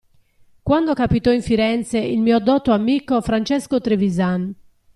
Quando capitò in Firenze il mio dotto amico Francesco Trevisan.